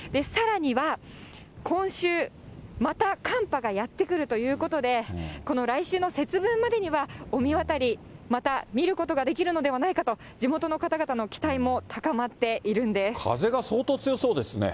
さらには、今週、また寒波がやって来るということで、来週の節分までには、御神渡り、また見ることができるのではないかと、地元の方々の期待も高まっているんです。